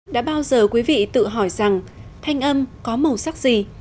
đã bao giờ quý vị tự hỏi rằng thanh âm có màu sắc gì